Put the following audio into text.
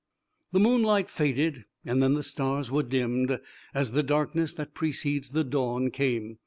The moonlight faded and then the stars were dimmed, as the darkness that precedes the dawn came.